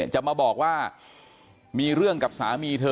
จะมาบอกว่ามีเรื่องกับสามีเธอ